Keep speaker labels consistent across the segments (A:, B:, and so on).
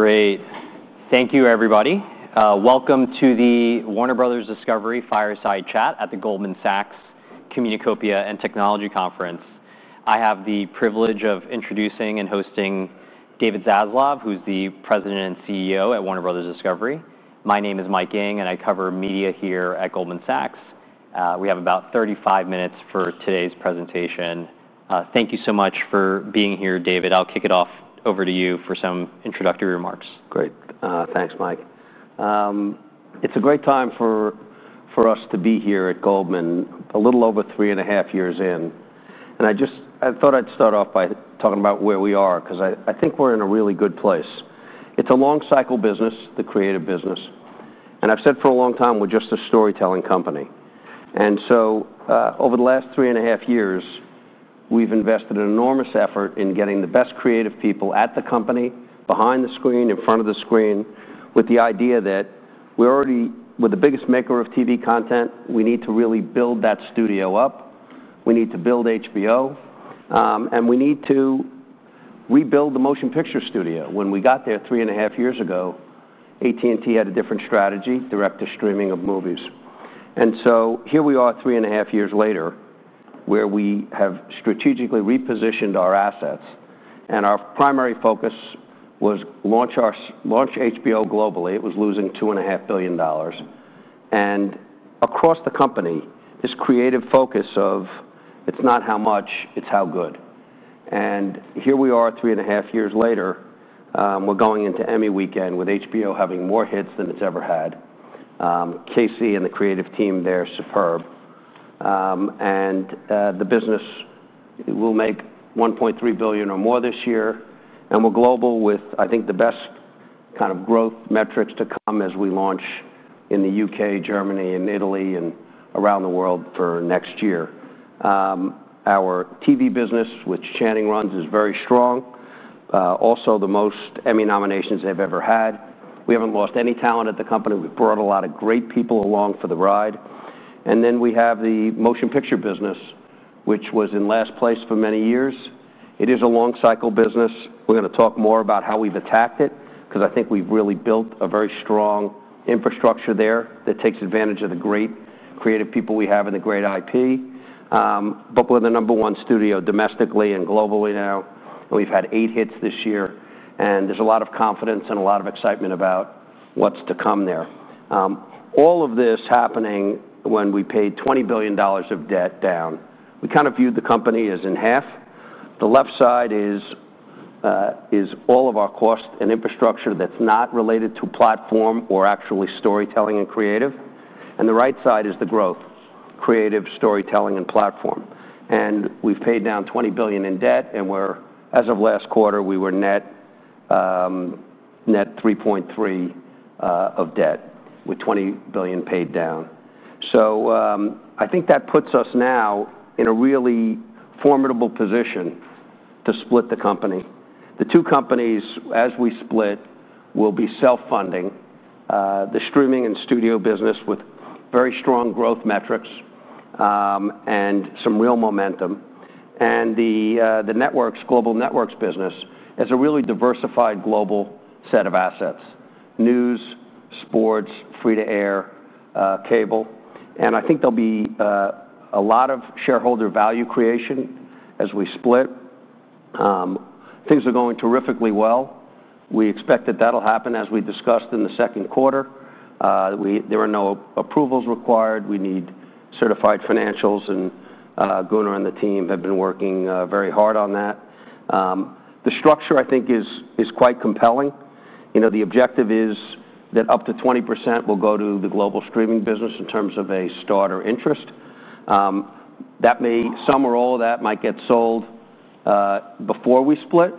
A: Great. Thank you, everybody. Welcome to the Warner Bros. Discovery Fireside Chat at the Goldman Sachs Communacopia and Technology Conference. I have the privilege of introducing and hosting David Zaslav, who's the President and CEO at Warner Bros. Discovery. My name is Mike Yang, and I cover media here at Goldman Sachs. We have about 35 minutes for today's presentation. Thank you so much for being here, David. I'll kick it off over to you for some introductory remarks.
B: Great. Thanks, Mike. It's a great time for us to be here at Goldman, a little over three and a half years in. I just thought I'd start off by talking about where we are, because I think we're in a really good place. It's a long-cycle business, the creative business. I've said for a long time, we're just a storytelling company. Over the last three and a half years, we've invested an enormous effort in getting the best creative people at the company, behind the screen, in front of the screen, with the idea that we're already the biggest maker of TV content. We need to really build that studio up. We need to build HBO. We need to rebuild the motion-picture studio. When we got there three and a half years ago, AT&T had a different strategy, direct-to-streaming of movies. Here we are three and a half years later, where we have strategically repositioned our assets. Our primary focus was to launch HBO globally. It was losing $2.5 billion. Across the company, this creative focus of it's not how much, it's how good. Here we are three and a half years later. We're going into Emmy weekend, with HBO having more hits than it's ever had. Casey and the creative team there are superb. The business will make $1.3 billion or more this year. We're global with, I think, the best kind of growth metrics to come as we launch in the U.K., Germany, and Italy, and around the world for next year. Our TV business, which Channing runs, is very strong, also the most Emmy nominations they've ever had. We haven't lost any talent at the company. We've brought a lot of great people along for the ride. We have the motion picture business, which was in last place for many years. It is a long-cycle business. We're going to talk more about how we've attacked it, because I think we've really built a very strong infrastructure there that takes advantage of the great creative people we have and the great IP. We're the number one studio domestically and globally now. We've had eight hits this year. There's a lot of confidence and a lot of excitement about what's to come there, all of this happening when we paid $20 billion of debt down. We kind of viewed the company as in half. The left side is all of our costs and infrastructure that's not related to platform or actually storytelling and creative. The right side is the growth, creative, storytelling, and platform. We've paid down $20 billion in debt. As of last quarter, we were net $3.3 billion of debt, with $20 billion paid down. I think that puts us now in a really formidable position to split the company. The two companies, as we split, will be self-funding, the Streaming & Studios business with very strong growth metrics and some real momentum, and the Global Networks business as a really diversified global set of assets, news, sports, free-to-air, cable. I think there'll be a lot of shareholder value creation as we split. Things are going terrifically well. We expect that that'll happen, as we discussed, in the second quarter. There are no approvals required. We need certified financials. Gunnar and the team have been working very hard on that. The structure, I think, is quite compelling. The objective is that up to 20% will go to the global streaming business in terms of a starter interest. Some or all of that might get sold before we split.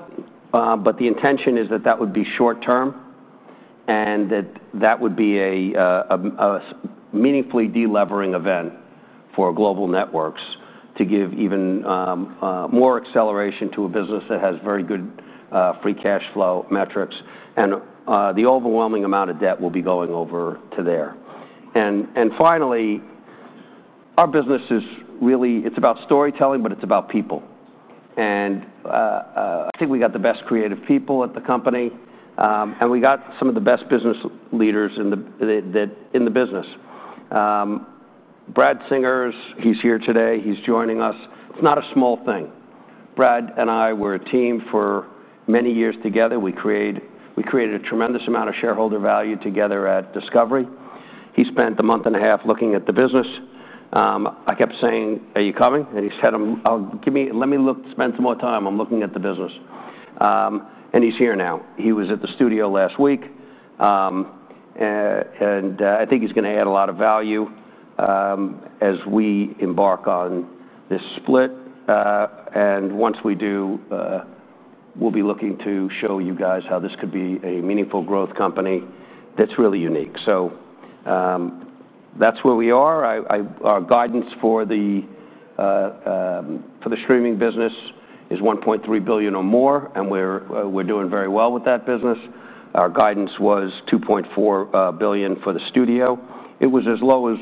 B: The intention is that that would be short-term, and that would be a meaningfully de-levering event for global networks to give even more acceleration to a business that has very good free cash flow metrics. The overwhelming amount of debt will be going over to there. Finally, our business is really, it's about storytelling, but it's about people. I think we got the best creative people at the company. We got some of the best business leaders in the business. Brad Singer, he's here today. He's joining us. It's not a small thing. Brad and I, we're a team for many years together. We created a tremendous amount of shareholder value together at Discovery. He spent a month and a half looking at the business. I kept saying, are you coming? He said, let me spend some more time. I'm looking at the business. He's here now. He was at the studio last week. I think he's going to add a lot of value as we embark on this split. Once we do, we'll be looking to show you guys how this could be a meaningful growth company that's really unique. That's where we are. Our guidance for the streaming business is $1.3 billion or more. We're doing very well with that business. Our guidance was $2.4 billion for the Studio. It was as low as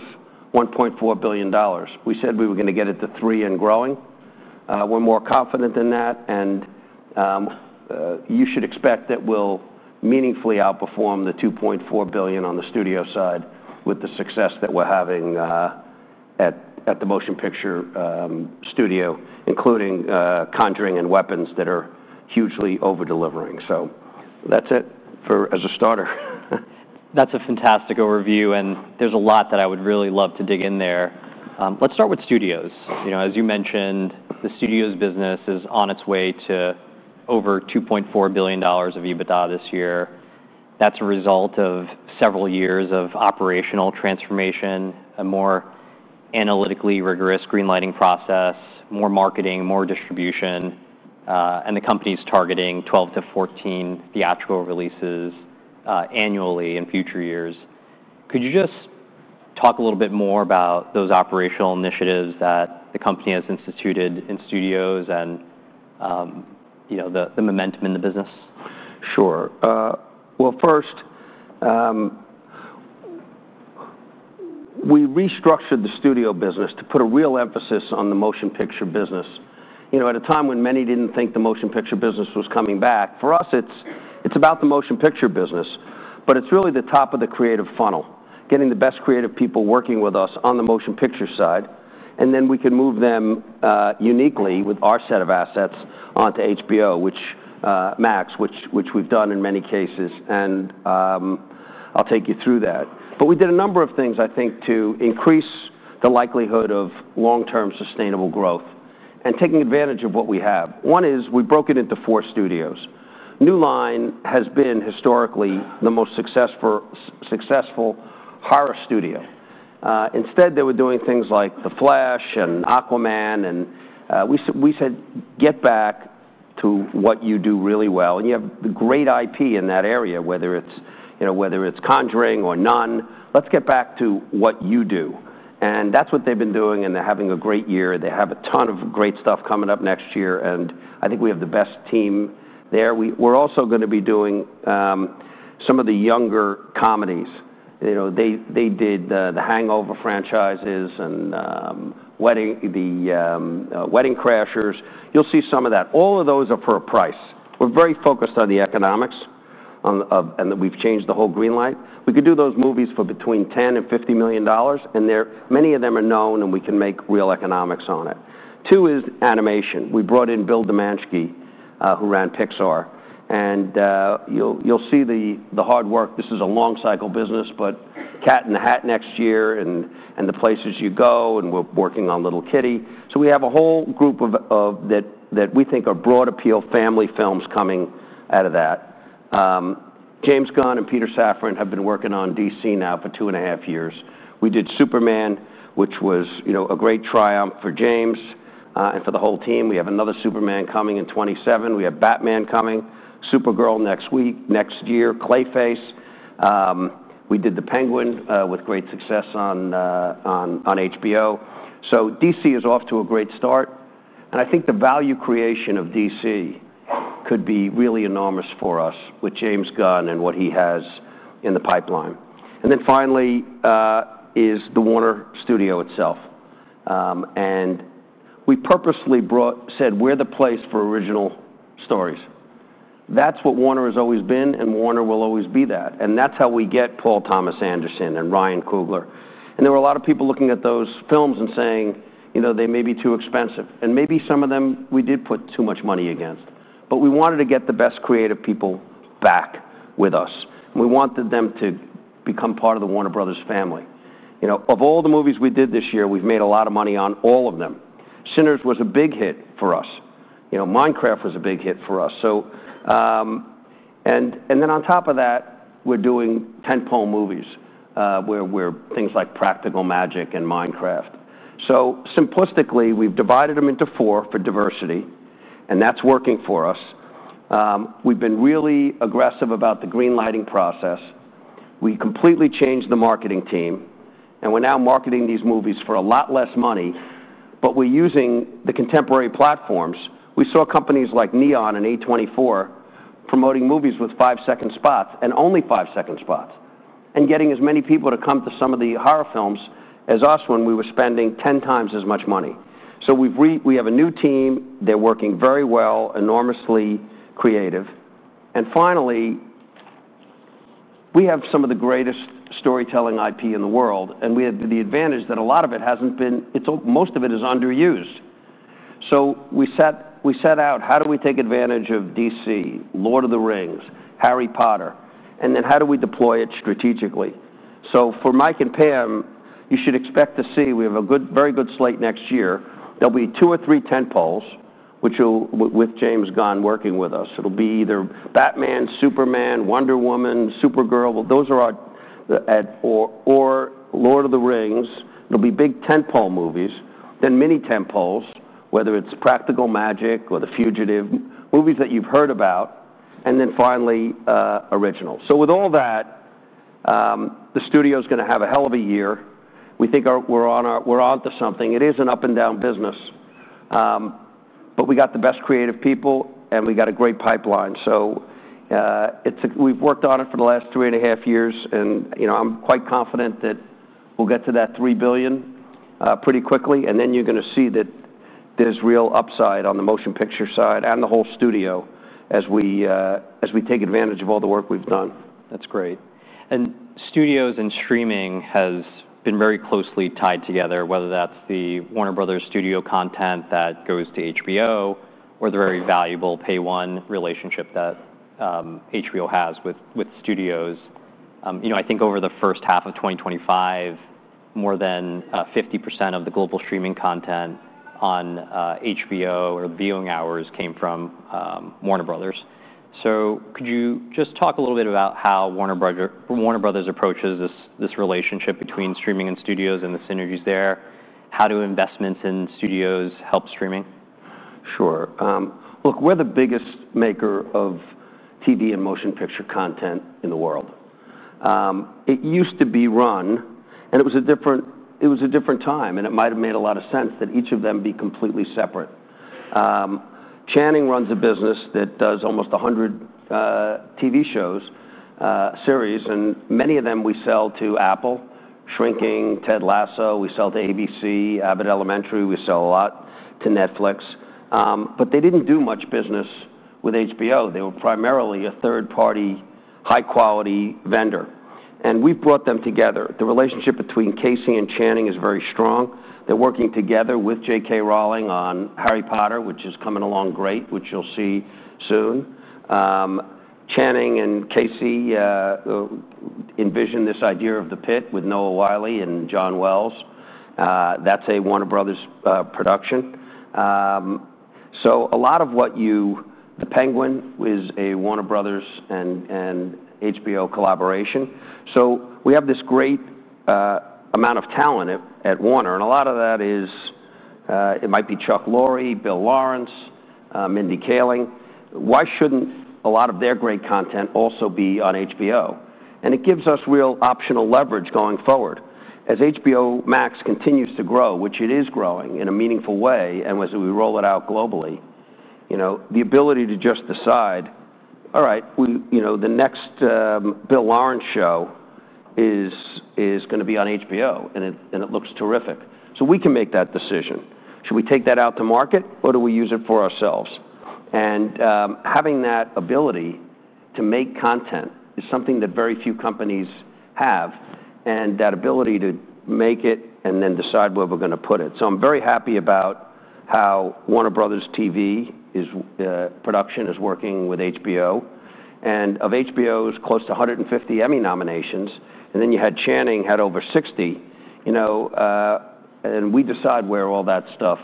B: $1.4 billion. We said we were going to get it to $3 billion and growing. We're more confident than that. You should expect that we'll meaningfully outperform the $2.4 billion on the studio-side with the success that we're having at the motion picture studio, including Conjuring and Weapons that are hugely over-delivering. That's it as a starter.
A: That's a fantastic overview. There's a lot that I would really love to dig in there. Let's start with Studios. As you mentioned, the Studios business is on its way to over $2.4 billion of EBITDA this year. That's a result of several years of operational transformation, a more analytically rigorous greenlighting process, more marketing, more distribution. The company is targeting 12-14 theatrical releases annually in future years. Could you just talk a little bit more about those operational initiatives that the company has instituted in studios and the momentum in the business?
B: Sure. First, we restructured the Studio business to put a real emphasis on the Motion Picture business. At a time when many didn't think the Motion Picture business was coming back, for us, it's about the Motion Picture business. It's really the top of the creative funnel, getting the best creative people working with us on the Motion Picture side. Then we can move them uniquely with our set of assets onto HBO Max, which we've done in many cases. I'll take you through that. We did a number of things, I think, to increase the likelihood of long-term sustainable growth and taking advantage of what we have. One is we broke it into four studios. New Line has been historically the most successful horror studio. Instead, they were doing things like The Flash and Aquaman. We said, get back to what you do really well. You have the great IP in that area, whether it's Conjuring or Nun. Let's get back to what you do. That's what they've been doing. They're having a great year. They have a ton of great stuff coming up next year. I think we have the best team there. We're also going to be doing some of the younger comedies. They did the Hangover franchises and Wedding Crashers. You'll see some of that. All of those are for a price. We're very focused on the economics, and we've changed the whole greenlight. We could do those movies for between $10 million and $50 million. Many of them are known, and we can make real economics on it. Two is animation. We brought in Bill Damaschke, who ran Pixar. You'll see the hard work. This is a long-cycle business, but Cat in the Hat next year and The Places You Go, and we're working on Little Kitty. We have a whole group of that we think are broad-appeal family films coming out of that. James Gunn and Peter Safran have been working on DC now for two and a half years. We did Superman, which was a great triumph for James and for the whole team. We have another Superman coming in 2027. We have Batman coming, Supergirl next week, next year, Clayface. We did The Penguin with great success on HBO. DC is off to a great start. I think the value creation of DC could be really enormous for us with James Gunn and what he has in the pipeline. Finally, the Warner Studio itself. We purposely said we're the place for original stories. That's what Warner has always been, and Warner will always be that. That's how we get Paul Thomas Anderson and Ryan Coogler. There were a lot of people looking at those films and saying, you know, they may be too expensive. Maybe some of them we did put too much money against. We wanted to get the best creative people back with us. We wanted them to become part of the Warner Bros. family. Of all the movies we did this year, we've made a lot of money on all of them. Sinners was a big hit for us. Minecraft was a big hit for us. On top of that, we're doing tentpole movies, with things like Practical Magic and Minecraft. Simplistically, we've divided them into four for diversity, and that's working for us. We've been really aggressive about the greenlighting process. We completely changed the marketing team, and we're now marketing these movies for a lot less money. We're using the contemporary platforms. We saw companies like NEON and A24 promoting movies with five-second spots and only five-second spots, and getting as many people to come to some of the horror films as us when we were spending 10x as much money. We have a new team. They're working very well, enormously creative. Finally, we have some of the greatest storytelling IP in the world, and we have the advantage that a lot of it hasn't been—most of it is underused. We set out, how do we take advantage of DC, Lord of the Rings, Harry Potter? How do we deploy it strategically? For Mike and Pam, you should expect to see we have a very good slate next year. There'll be two or three tentpoles, with James Gunn working with us. It'll be either Batman, Superman, Wonder Woman, Supergirl. Those are our—or Lord of the Rings. There'll be big tentpole movies, then mini tentpoles, whether it's Practical Magic or The Fugitive, movies that you've heard about, and finally originals. With all that, the studio is going to have a hell of a year. We think we're onto something. It is an up-and-down business. We got the best creative people, and we got a great pipeline. We've worked on it for the last two and a half years, and I'm quite confident that we'll get to that $3 billion pretty quickly. You're going to see that there's real upside on the motion picture side and the whole studio as we take advantage of all the work we've done.
A: That's great. Studios & Streaming have been very closely tied together, whether that's the Warner Bros. Studio content that goes to HBO or the very valuable pay-one relationship that HBO has with Studios. Over the first half of 2025, more than 50% of the global streaming content on HBO or the viewing hours came from Warner Bros. Could you just talk a little bit about how Warner Bros. approaches this relationship between Streaming & Studios and the synergies there, how do investments in Studios help streaming?
B: Sure. Look, we're the biggest maker of TV and Motion Picture content in the world. It used to be run, and it was a different time. It might have made a lot of sense that each of them be completely separate. Channing runs a business that does almost 100 TV shows, series. Many of them we sell to Apple, Shrinking, Ted Lasso. We sell to ABC, Abbott Elementary. We sell a lot to Netflix. They didn't do much business with HBO. They were primarily a third-party high-quality vendor. We brought them together. The relationship between Casey and Channing is very strong. They're working together with J.K. Rowling on Harry Potter, which is coming along great, which you'll see soon. Channing and Casey envisioned this idea of The Pitt with Noah Wyle and John Wells. That's a Warner Bros. production. A lot of what you see—The Penguin is a Warner Bros. and HBO collaboration. We have this great amount of talent at Warner. A lot of that is, it might be Chuck Lorre, Bill Lawrence, Mindy Kaling. Why shouldn't a lot of their great content also be on HBO? It gives us real optional leverage going forward. As HBO Max continues to grow, which it is growing in a meaningful way, and as we roll it out globally, the ability to just decide, all right, the next Bill Lawrence show is going to be on HBO, and it looks terrific. We can make that decision. Should we take that out to market, or do we use it for ourselves? Having that ability to make content is something that very few companies have, and that ability to make it and then decide where we're going to put it. I'm very happy about how Warner Bros. TV production is working with HBO. HBO is close to 150 Emmy nominations. Channing had over 60. We decide where all that stuff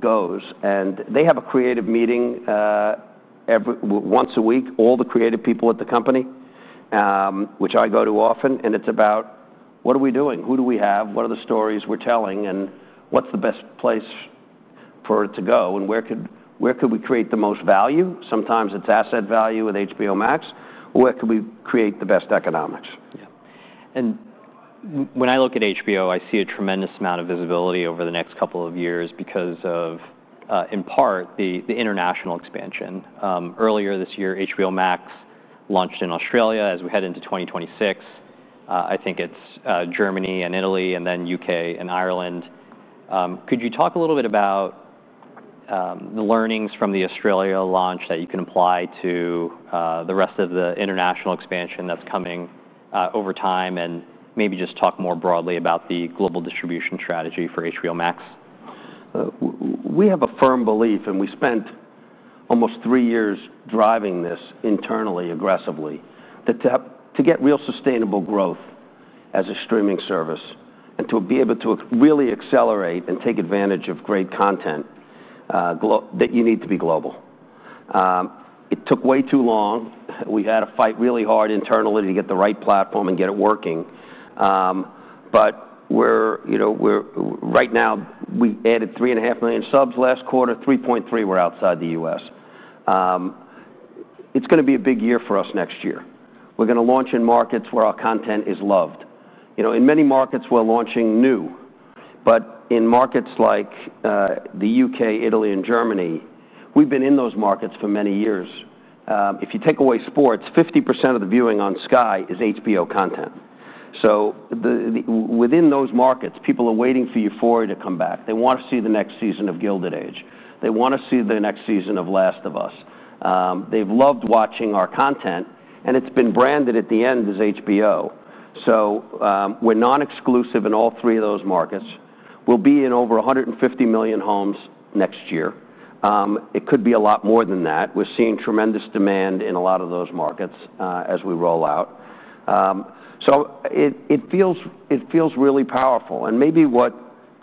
B: goes. They have a creative meeting once a week, all the creative people at the company, which I go to often. It's about what are we doing, who do we have, what are the stories we're telling, what's the best place for it to go, and where could we create the most value? Sometimes it's asset value with HBO Max. Where could we create the best economics?
A: Yeah. When I look at HBO, I see a tremendous amount of visibility over the next couple of years because of, in part, the international expansion. Earlier this year, HBO Max launched in Australia. As we head into 2026, I think it's Germany and Italy, and then U.K. and Ireland. Could you talk a little bit about the learnings from the Australia launch that you can apply to the rest of the international expansion that's coming over time? Maybe just talk more broadly about the global distribution strategy for HBO Max.
B: We have a firm belief, and we spent almost three years driving this internally aggressively, that to get real sustainable growth as a streaming service and to be able to really accelerate and take advantage of great content, you need to be global. It took way too long. We had to fight really hard internally to get the right platform and get it working. Right now, we added 3.5 million subs last quarter. 3.3 million were outside the U.S. It's going to be a big year for us next year. We're going to launch in markets where our content is loved. In many markets, we're launching new. In markets like the U.K., Italy, and Germany, we've been in those markets for many years. If you take away sports, 50% of the viewing on Sky is HBO content. Within those markets, people are waiting for Euphoria to come back. They want to see the next season of Gilded Age. They want to see the next season of Last of Us. They've loved watching our content, and it's been branded at the end as HBO. We're non-exclusive in all three of those markets. We'll be in over 150 million homes next year. It could be a lot more than that. We're seeing tremendous demand in a lot of those markets as we roll out. It feels really powerful. Maybe what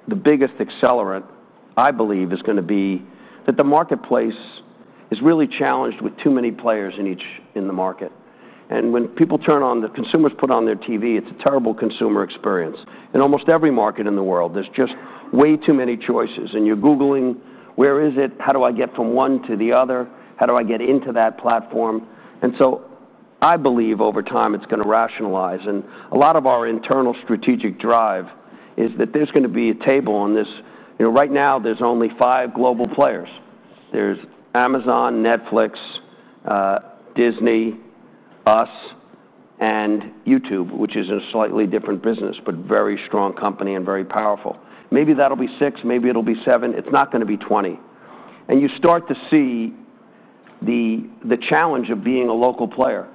B: the biggest accelerant, I believe, is going to be that the marketplace is really challenged with too many players in the market. When people turn on, the consumers put on their TV, it's a terrible consumer experience. In almost every market in the world, there's just way too many choices, and you're googling, where is it? How do I get from one to the other? How do I get into that platform? I believe over time, it's going to rationalize. A lot of our internal strategic drive is that there's going to be a table on this. Right now, there's only five global players. There's Amazon, Netflix, Disney, us, and YouTube, which is a slightly different business, but very strong company and very powerful. Maybe that'll be six. Maybe it'll be seven. It's not going to be 20. You start to see the challenge of being a local player.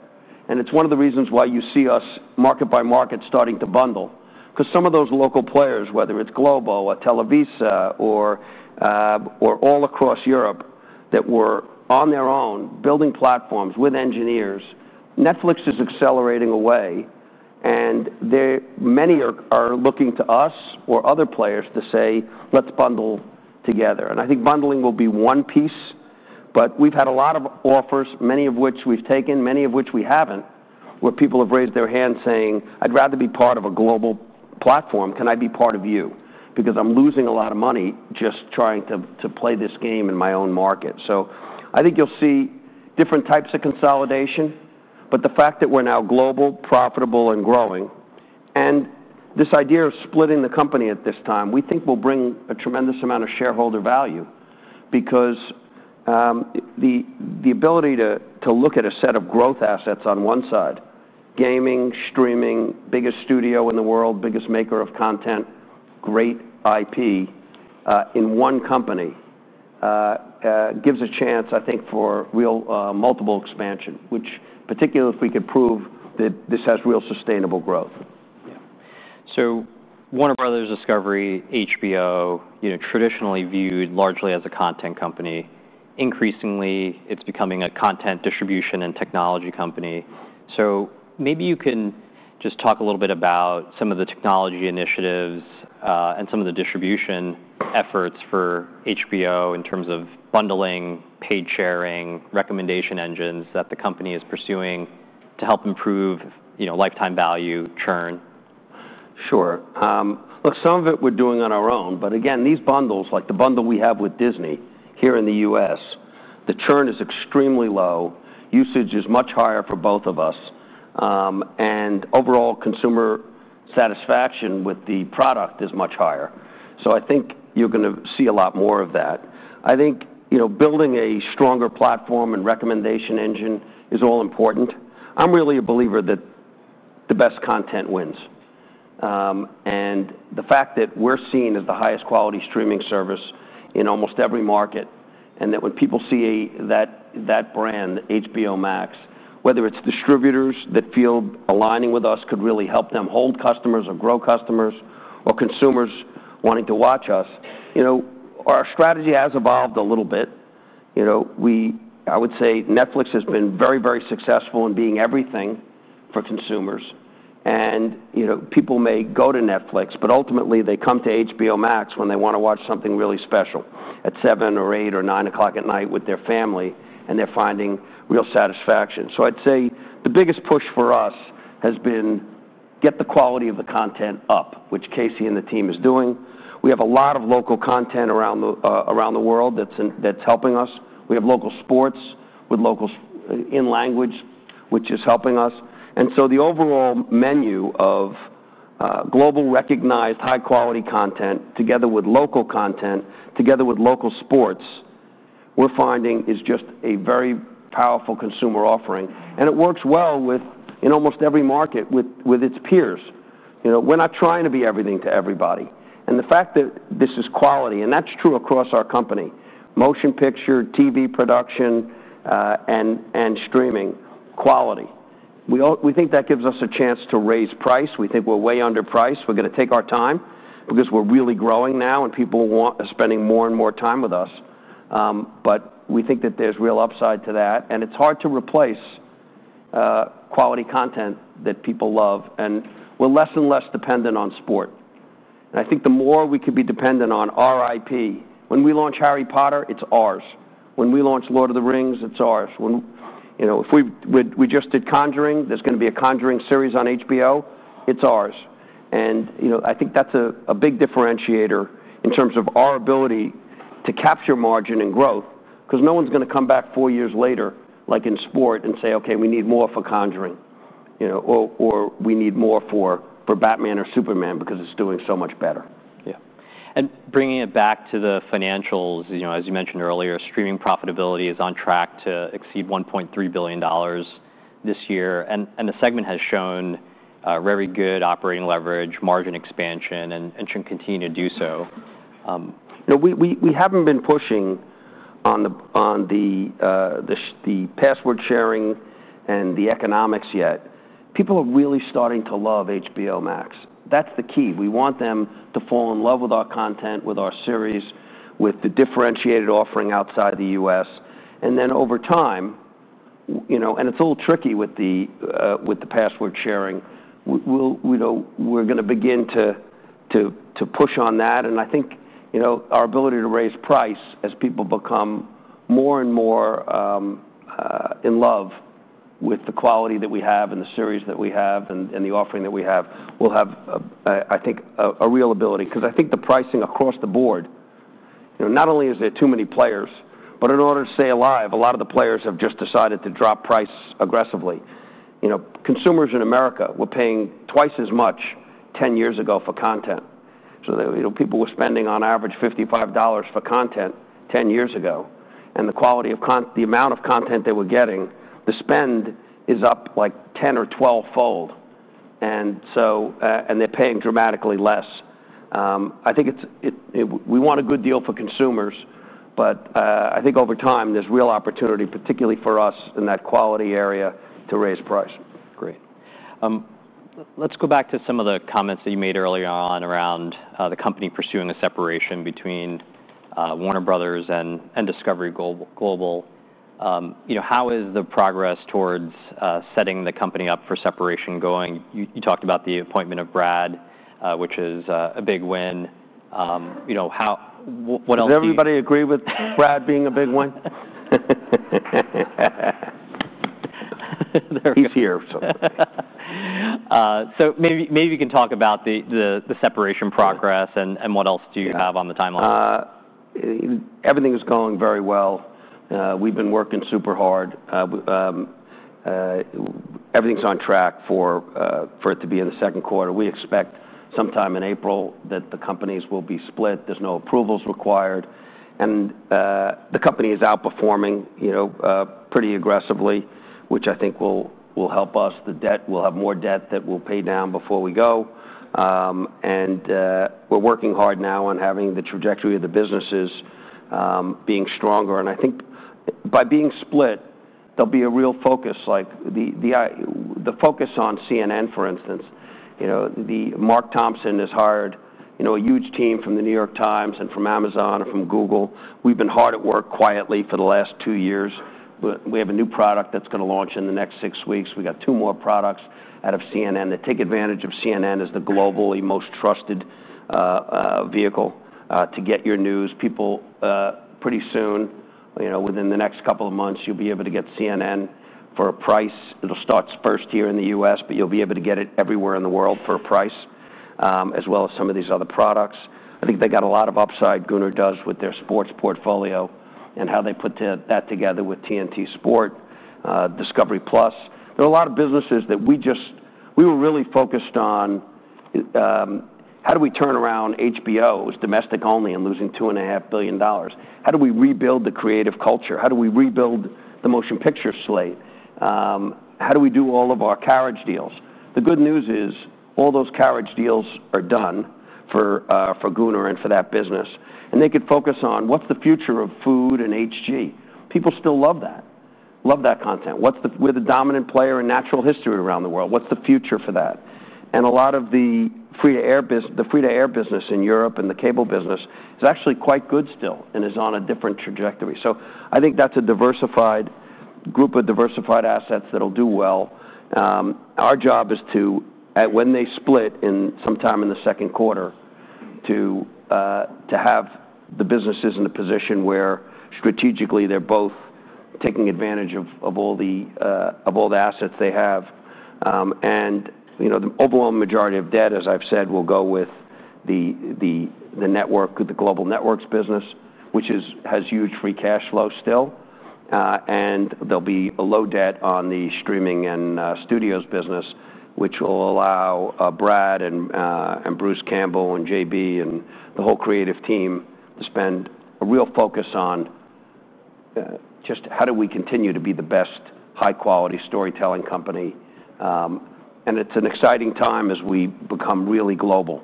B: It's one of the reasons why you see us market by market starting to bundle, because some of those local players, whether it's Globo or Televisa or all across Europe, that were on their own building platforms with engineers, Netflix is accelerating away. Many are looking to us or other players to say, let's bundle together. I think bundling will be one piece. We have had a lot of offers, many of which we've taken, many of which we haven't, where people have raised their hands saying, I'd rather be part of a global platform. Can I be part of you? Because I'm losing a lot of money just trying to play this game in my own market. I think you'll see different types of consolidation. The fact that we're now global, profitable, and growing, and this idea of splitting the company at this time, we think will bring a tremendous amount of shareholder value, because the ability to look at a set of growth assets on one side, gaming, streaming, biggest studio in the world, biggest maker of content, great IP in one company gives a chance, I think, for real multiple expansion, particularly if we could prove that this has real sustainable growth.
A: Yeah. Warner Bros. Discovery, HBO, traditionally viewed largely as a content company, increasingly, it's becoming a content distribution and technology company. Maybe you can just talk a little bit about some of the technology initiatives and some of the distribution efforts for HBO in terms of bundling, paid sharing, recommendation engines that the company is pursuing to help improve lifetime value, churn.
B: Sure. Some of it we're doing on our own. These bundles, like the bundle we have with Disney here in the U.S., the churn is extremely low. Usage is much higher for both of us, and overall consumer satisfaction with the product is much higher. I think you're going to see a lot more of that. I think building a stronger platform and recommendation engine is all important. I'm really a believer that the best content wins. The fact that we're seen as the highest quality streaming service in almost every market, and that when people see that brand, HBO Max, whether it's distributors that feel aligning with us could really help them hold customers or grow customers or consumers wanting to watch us, our strategy has evolved a little bit. I would say Netflix has been very, very successful in being everything for consumers. People may go to Netflix, but ultimately, they come to HBO Max when they want to watch something really special at 7:00 P.M. or 8:00 P.M. or 9:00 P.M. at night with their family, and they're finding real satisfaction. I'd say the biggest push for us has been get the quality of the content up, which Casey and the team is doing. We have a lot of local content around the world that's helping us. We have local sports in language, which is helping us. The overall menu of global recognized high-quality content together with local content, together with local sports, we're finding is just a very powerful consumer offering. It works well in almost every market with its peers. We're not trying to be everything to everybody. The fact that this is quality, and that's true across our company, motion picture, TV production, and streaming, quality. We think that gives us a chance to raise price. We think we're way underpriced. We're going to take our time, because we're really growing now, and people are spending more and more time with us. We think that there's real upside to that. It's hard to replace quality content that people love. We're less and less dependent on sport. I think the more we could be dependent on our IP, when we launch Harry Potter, it's ours. When we launch Lord of the Rings, it's ours. If we just did Conjuring, there's going to be a Conjuring series on HBO. It's ours. I think that's a big differentiator in terms of our ability to capture margin and growth, because no one's going to come back four years later, like in sport, and say, okay, we need more for Conjuring, or we need more for Batman or Superman, because it's doing so much better.
A: Bringing it back to the financials, as you mentioned earlier, streaming profitability is on track to exceed $1.3 billion this year. The segment has shown very good operating leverage, margin expansion, and should continue to do so.
B: We haven't been pushing on the password sharing and the economics yet. People are really starting to love HBO Max. That's the key. We want them to fall in love with our content, with our series, with the differentiated offering outside the U.S. Over time, and it's a little tricky with the password sharing, we're going to begin to push on that. I think our ability to raise price as people become more and more in love with the quality that we have and the series that we have and the offering that we have will have, I think, a real ability, because I think the pricing across the board, not only is there too many players, but in order to stay alive, a lot of the players have just decided to drop price aggressively. Consumers in America were paying twice as much 10 years ago for content. People were spending on average $55 for content 10 years ago. The amount of content they were getting, the spend is up like 10 or 12-fold, and they're paying dramatically less. I think we want a good deal for consumers. I think over time, there's real opportunity, particularly for us in that quality area, to raise price.
A: Great. Let's go back to some of the comments that you made earlier on around the company pursuing a separation between Warner Bros. and Discovery Global. How is the progress towards setting the company up for separation going? You talked about the appointment of Brad, which is a big win.
B: Would everybody agree with Brad being a big win?
A: He's here, so maybe you can talk about the separation progress and what else do you have on the timeline?
B: Everything is going very well. We've been working super hard. Everything's on track for it to be in the second quarter. We expect sometime in April that the companies will be split. There's no approvals required. The company is outperforming pretty aggressively, which I think will help us. We'll have more debt that we'll pay down before we go. We're working hard now on having the trajectory of the businesses being stronger. I think by being split, there'll be a real focus, like the focus on CNN, for instance. Mark Thompson has hired a huge team from The New York Times and from Amazon and from Google. We've been hard at work quietly for the last two years. We have a new product that's going to launch in the next six weeks. We've got two more products out of CNN. Take advantage of CNN as the globally most trusted vehicle to get your news. Pretty soon, within the next couple of months, you'll be able to get CNN for a price. It'll start first here in the U.S., but you'll be able to get it everywhere in the world for a price, as well as some of these other products. I think they've got a lot of upside, Gunnar does, with their sports portfolio and how they put that together with TNT Sports, Discovery+. There are a lot of businesses that we just, we were really focused on how do we turn around HBO, it was domestic only and losing $2.5 billion. How do we rebuild the creative culture? How do we rebuild the Motion Picture slate? How do we do all of our carriage deals? The good news is all those carriage deals are done for Gunnar and for that business. They could focus on what's the future of food and HG? People still love that, love that content. We're the dominant player in natural history around the world. What's the future for that? A lot of the free-to-air business in Europe and the cable business is actually quite good still and is on a different trajectory. I think that's a diversified group of diversified assets that'll do well. Our job is to, when they split sometime in the second quarter, to have the businesses in a position where strategically they're both taking advantage of all the assets they have. The overwhelming majority of debt, as I've said, will go with the Global Networks business, which has huge free cash flow still. There'll be a low debt on the Streaming & Studios business, which will allow Brad and Bruce Campbell and JB and the whole creative team to spend a real focus on just how do we continue to be the best high-quality storytelling company. It's an exciting time as we become really global,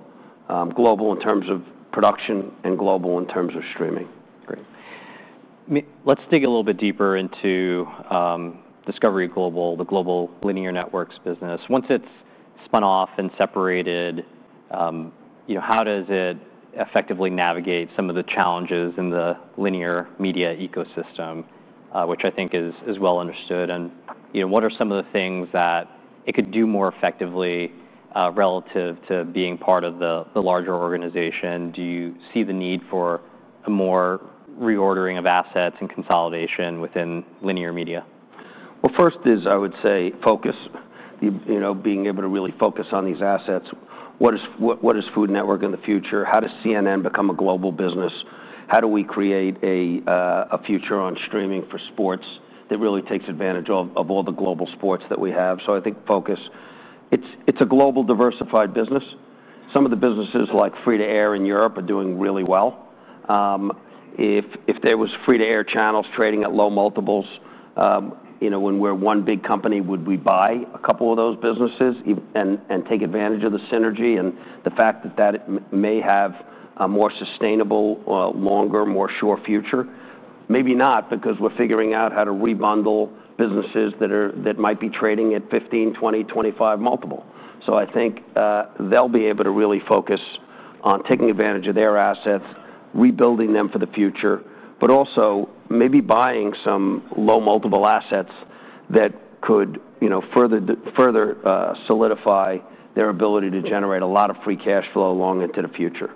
B: global in terms of production and global in terms of streaming.
A: Let's dig a little bit deeper into Discovery Global, the global linear networks business. Once it's spun off and separated, how does it effectively navigate some of the challenges in the linear media ecosystem, which I think is well understood? What are some of the things that it could do more effectively relative to being part of the larger organization? Do you see the need for a more reordering of assets and consolidation within linear media?
B: First, I would say focus, being able to really focus on these assets. What is Food Network in the future? How does CNN become a global business? How do we create a future on streaming for sports that really takes advantage of all the global sports that we have? I think focus, it's a global diversified business. Some of the businesses like free-to-air in Europe are doing really well. If there were free-to-air channels trading at low multiples, when we're one big company, would we buy a couple of those businesses and take advantage of the synergy and the fact that that may have a more sustainable, longer, more sure future? Maybe not, because we're figuring out how to rebundle businesses that might be trading at 15x, 20x, 25x. I think they'll be able to really focus on taking advantage of their assets, rebuilding them for the future, but also maybe buying some low multiple assets that could further solidify their ability to generate a lot of free cash flow long into the future.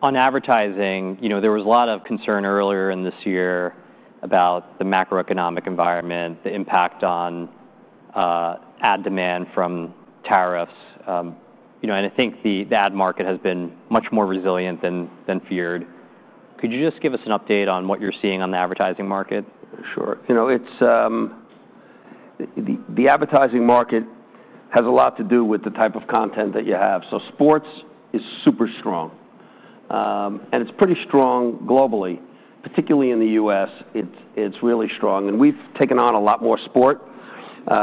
A: On advertising, there was a lot of concern earlier this year about the macroeconomic environment, the impact on ad demand from tariffs. I think the ad market has been much more resilient than feared. Could you just give us an update on what you're seeing on the advertising market?
B: Sure. The advertising market has a lot to do with the type of content that you have. Sports is super strong, and it's pretty strong globally. Particularly in the U.S., it's really strong. We've taken on a lot more sport.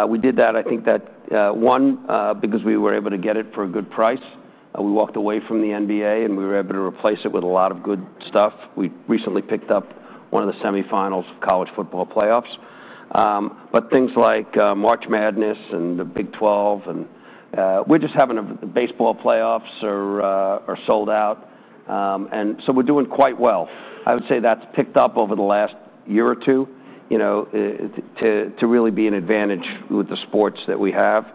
B: We did that, I think, one, because we were able to get it for a good price. We walked away from the NBA, and we were able to replace it with a lot of good stuff. We recently picked up one of the semifinals of college football playoffs. Things like March Madness and the Big 12, and we're just having the baseball playoffs are sold out. We're doing quite well. I would say that's picked up over the last year or two to really be an advantage with the sports that we have.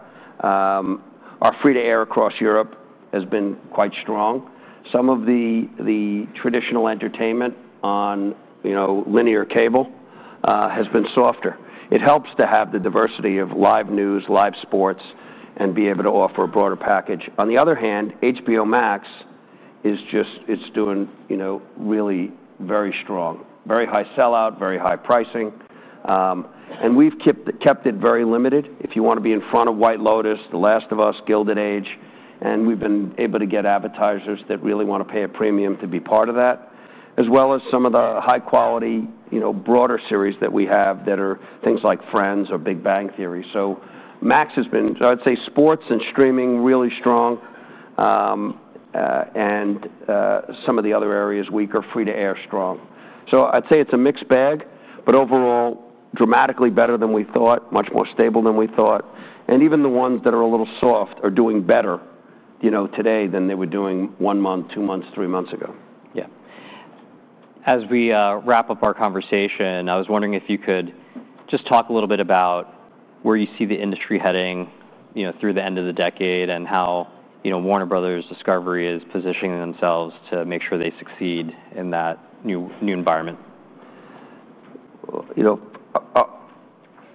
B: Our free-to-air across Europe has been quite strong. Some of the traditional entertainment on linear cable has been softer. It helps to have the diversity of live news, live sports, and be able to offer a broader package. On the other hand, HBO Max is just doing really very strong, very high sellout, very high pricing. We've kept it very limited. If you want to be in front of White Lotus, The Last of Us, Gilded Age, and we've been able to get advertisers that really want to pay a premium to be part of that, as well as some of the high-quality, broader series that we have that are things like Friends or Big Bang Theory. Max has been, I'd say, sports and streaming really strong. Some of the other areas weak are free-to-air strong. I'd say it's a mixed bag, but overall dramatically better than we thought, much more stable than we thought. Even the ones that are a little soft are doing better today than they were doing one month, two months, three months ago. Yeah. As we wrap up our conversation, I was wondering if you could just talk a little bit about where you see the industry heading through the end of the decade and how Warner Bros. Discovery is positioning themselves to make sure they succeed in that new environment.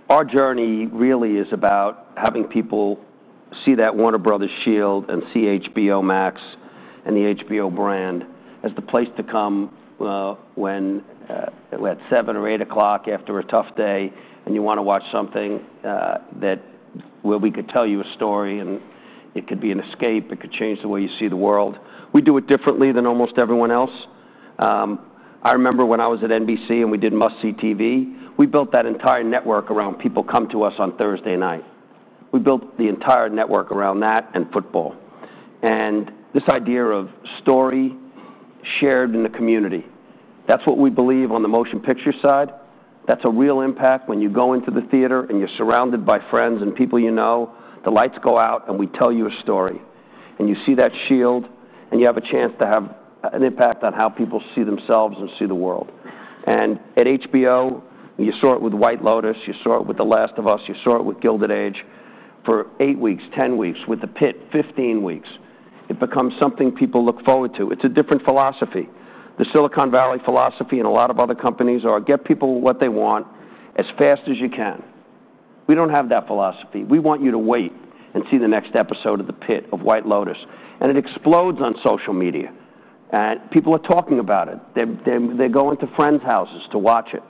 B: Our journey really is about having people see that Warner Bros. shield and see HBO Max and the HBO brand as the place to come when at 7:00 P.M. or 8:00 P.M. after a tough day, and you want to watch something where we could tell you a story, and it could be an escape. It could change the way you see the world. We do it differently than almost everyone else. I remember when I was at NBC and we did Must See TV, we built that entire network around people coming to us on Thursday night. We built the entire network around that and football. This idea of story shared in the community, that's what we believe on the motion picture side. That's a real impact when you go into the theater and you're surrounded by friends and people you know. The lights go out, and we tell you a story. You see that shield, and you have a chance to have an impact on how people see themselves and see the world. At HBO, you saw it with White Lotus. You saw it with The Last of Us. You saw it with Gilded Age for eight weeks, 10 weeks, with The Pitt, 15 weeks. It becomes something people look forward to. It's a different philosophy. The Silicon Valley philosophy and a lot of other companies are get people what they want as fast as you can. We don't have that philosophy. We want you to wait and see the next episode of The Pitt, of White Lotus. It explodes on social media. People are talking about it. They go into friends' houses to watch it.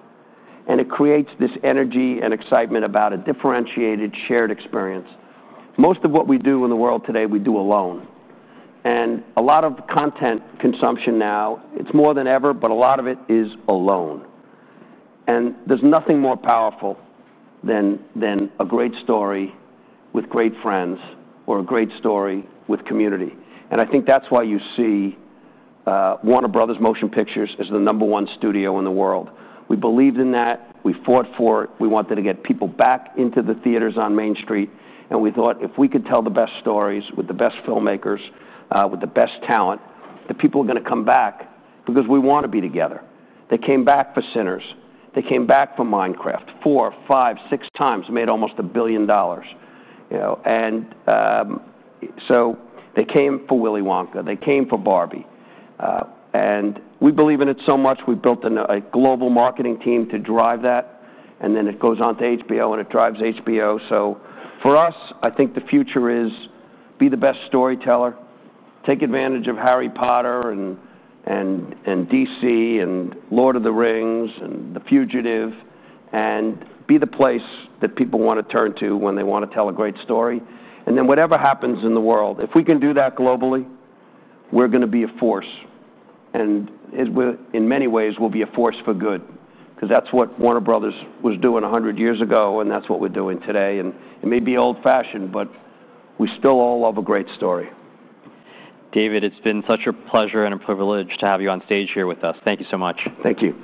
B: It creates this energy and excitement about a differentiated, shared experience. Most of what we do in the world today, we do alone. A lot of content consumption now, it's more than ever, but a lot of it is alone. There's nothing more powerful than a great story with great friends or a great story with community. I think that's why you see Warner Bros. Motion Picture's as the number one studio in the world. We believed in that. We fought for it. We wanted to get people back into the theaters on Main Street. We thought if we could tell the best stories with the best filmmakers, with the best talent, the people are going to come back because we want to be together. They came back for Sinners. They came back for Minecraft four, five, six times, made almost $1 billion. They came for Willy Wonka. They came for Barbie. We believe in it so much, we built a global marketing team to drive that. It goes on to HBO, and it drives HBO. For us, I think the future is be the best storyteller, take advantage of Harry Potter and DC and Lord of the Rings and The Fugitive, and be the place that people want to turn to when they want to tell a great story. Whatever happens in the world, if we can do that globally, we're going to be a force. In many ways, we'll be a force for good, because that's what Warner Bros. was doing 100 years ago, and that's what we're doing today. It may be old-fashioned, but we still all love a great story.
A: David, it's been such a pleasure and a privilege to have you on stage here with us. Thank you so much.
B: Thank you.